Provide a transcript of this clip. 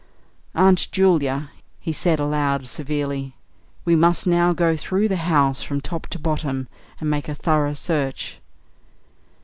"Aunt Julia," he said aloud, severely, "we must now go through the house from top to bottom and make a thorough search."